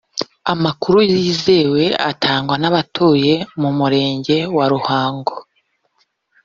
Amakuru yizewe atangwa n’abatuye mu Murenge wa Ruhango